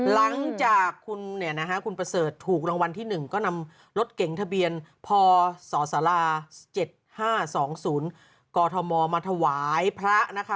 หลังจากคุณเนี่ยนะฮะคุณประเสริฐถูกรางวัลที่หนึ่งก็นำรถเก่งทะเบียนพศ๗๕๒๐กมมาถวายพระนะคะ